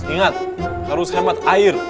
ingat harus hemat air